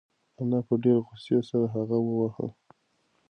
انا په ډېرې غوسې سره هغه وواهه.